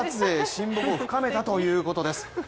親睦を深めたということです。